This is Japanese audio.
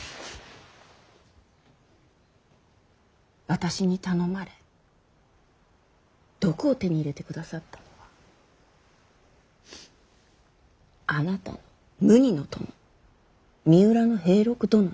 私に頼まれ毒を手に入れてくださったのはあなたの無二の友三浦平六殿ね。